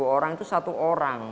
dua puluh orang itu satu orang